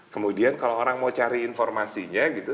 kemudian kalau orang mau cari informasinya gitu